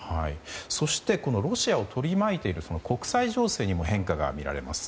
そして、ロシアを取り巻いている国際情勢にも変化が見られます。